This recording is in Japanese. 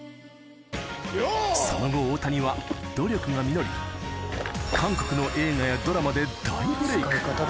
その後、大谷は努力が実り、韓国の映画やドラマで大ブレイク。